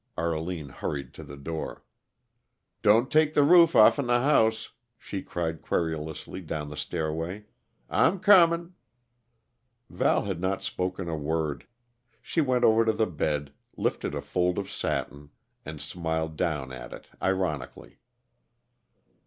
Arline hurried to the door. "Don't take the roof off'n the house," she cried querulously down the stairway. "I'm comin'." Val had not spoken a word. She went over to the bed, lifted a fold of satin, and smiled down at it ironically.